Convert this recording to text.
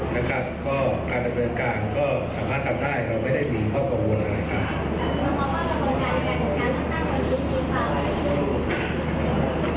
นะครับก็การดำเนินการก็สามารถทำได้เราไม่ได้มีข้อกังวลอะไรครับ